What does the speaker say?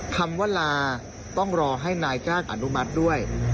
คำว่าลาต้องรอให้นายจ้างอนุมัติด้วย